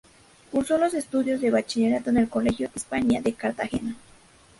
Cursó los estudios de Bachillerato en el Colegio Hispania de Cartagena.